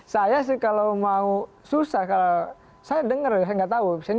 saya sih kalau mau susah kalau saya dengar saya nggak tahu